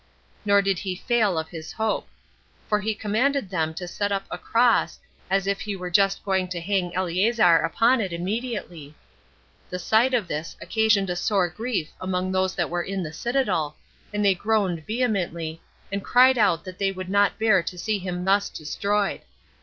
Nor did he fail of his hope; for he commanded them to set up a cross, as if he were just going to hang Eleazar upon it immediately; the sight of this occasioned a sore grief among those that were in the citadel, and they groaned vehemently, and cried out that they could not bear to see him thus destroyed.